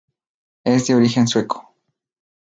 Es de origen sueco.